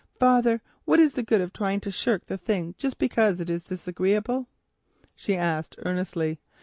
"Father, what is the use of trying to shirk the thing just because it is disagreeable?" she asked earnestly.